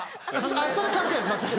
それ関係ないです全く。